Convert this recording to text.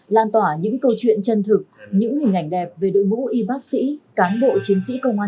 lan tỏa những câu chuyện chân thực những hình ảnh đẹp về đội ngũ y bác sĩ cán bộ chiến sĩ công an